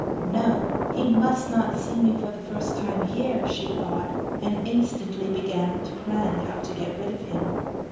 'No, he must not see me for the first time here,' she thought, and instantly began to plan how to get rid of him.